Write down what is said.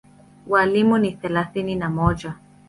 Walimu ni thelathini na mmoja.